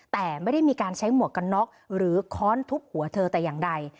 แต่ไม่ได้มีการใช้หมวกกันน็อกหรือค้อนทุบหัวเธอแต่อย่างใด